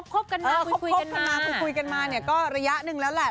คบกันมาคบกันมาคุยกันมาเนี่ยก็ระยะหนึ่งแล้วแหละ